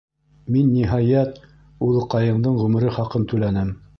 Мин, ниһайәт, улыҡайыңдың ғүмере хаҡын түләнем.